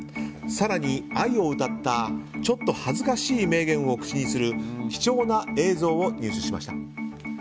更に、愛を歌ったちょっと恥ずかしい名言を口にする貴重な映像を入手しました。